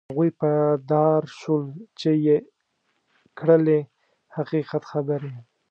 هغوی په دار شول چې یې کړلې حقیقت خبرې.